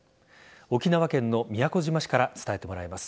沖縄県の宮古島市から伝えてもらいます。